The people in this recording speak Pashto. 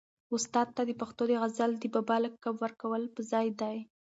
استاد ته د پښتو د غزل د بابا لقب ورکول په ځای دي.